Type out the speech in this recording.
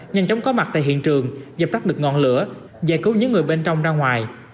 nhanh chóng có mặt tại hiện trường dập tắt được ngọn lửa giải cứu những người bên trong ra ngoài